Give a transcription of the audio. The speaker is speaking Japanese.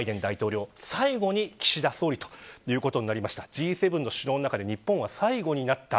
Ｇ７の首脳の中で日本は最後になった。